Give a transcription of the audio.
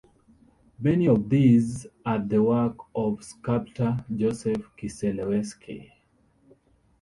Many of these are the work of sculptor Joseph Kiselewski.